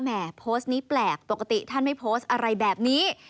โพสต์นี้แปลกปกติท่านไม่โพสต์อะไรแบบนี้